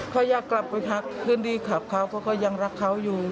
เขาอยากกลับไปพักพื้นที่ขับเขาเพราะเขายังรักเขาอยู่